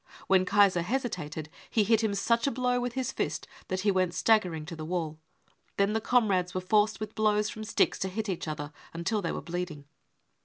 When Kaiser hesitated, he hit him such a blow with his fist that he went staggering to the wall. Then the comrades were forced with blows from sticks to hit each other until they were bleeding.